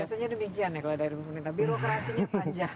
biasanya demikian ya kalau dari pemerintah birokrasinya panjang